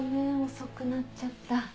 遅くなっちゃった。